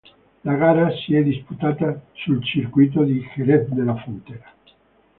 La gara si è disputata sul circuito di Jerez de la Frontera.